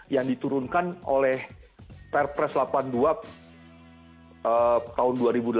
yang diturunkan oleh perpres delapan puluh dua tahun dua ribu delapan belas